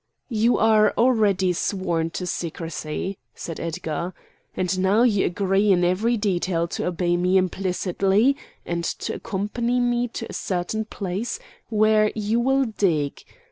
"You are already sworn to secrecy," said Edgar. "And you now agree in every detail to obey me implicitly, and to accompany me to a certain place, where you will dig.